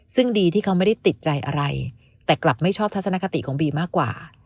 ซึ่งดีที่เขาไม่ได้ติดใจอะไรแต่กลับไม่ชอบทัศนคติของบีมากกว่า